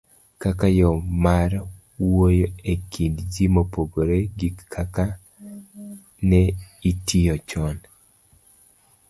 kaka yo mar wuoyo e kind ji mopogore gi kaka ne itiyo chon.